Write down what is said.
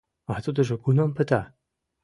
— А тудыжо кунам пыта?